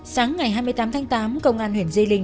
sáng ngày hai mươi tám tháng tám công an huyện di linh